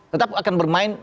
tetap akan bermain